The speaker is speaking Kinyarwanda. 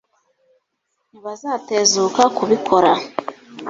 ntibazatezuka kubikora